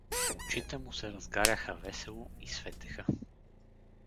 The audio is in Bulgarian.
Очите му се разгаряха весело и светеха.